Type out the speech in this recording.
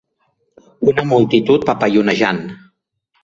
Una multitud papallonejant